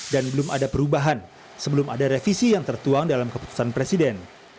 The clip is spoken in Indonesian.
dan belum ada perubahan sebelum ada revisi yang tertuang dalam keputusan presiden